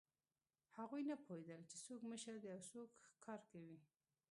هغوی نه پوهېدل، چې څوک مشر دی او څوک ښکار کوي.